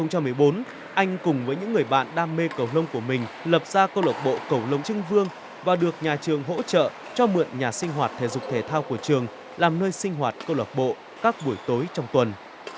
năm hai nghìn một mươi bốn anh cùng với những người bạn đam mê cẩu lông của mình lập ra câu lộc bộ cẩu lông trưng vương và được nhà trường hỗ trợ cho mượn nhà sinh hoạt thể dục thể thao của trường làm nơi sinh hoạt câu lạc bộ các buổi tối trong tuần